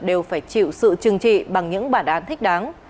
đều phải chịu sự trừng trị bằng những bản án thích đáng